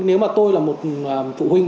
nếu mà tôi là một phụ huynh